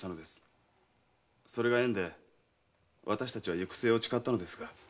それが縁で私たちは行く末を誓ったのですが。